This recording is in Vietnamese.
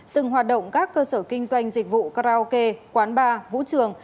dừng hoạt động các cơ sở kinh doanh dịch vụ karaoke quán bar vũ trường